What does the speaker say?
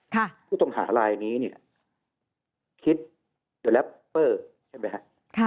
คุณต้องหารายนี้คิดว่าแร็ปเปอร์ใช่ไหมคะ